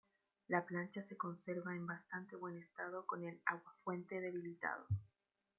La plancha se conserva en bastante buen estado con el aguafuerte debilitado.